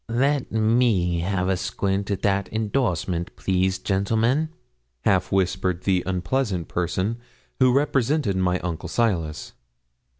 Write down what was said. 'Let me have a squint at that indorsement, please, gentlemen,' half whispered the unpleasant person who represented my uncle Silas.